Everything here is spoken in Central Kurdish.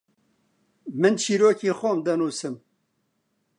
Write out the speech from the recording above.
من چیرۆکی خۆم دەنووسم.